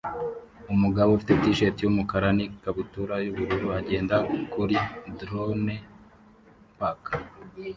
Umugabo ufite t-shirt yumukara n ikabutura yubururu agenda kuri Droney Park